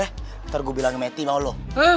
ntar gue bilangin metti mau lo